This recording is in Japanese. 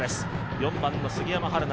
４番の杉山遥菜